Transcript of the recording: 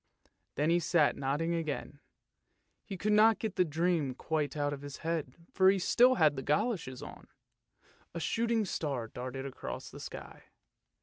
Then he sat nodding again, he could not get the dream quite out of his head, for he still had the goloshes on. A shooting star darted across the sky.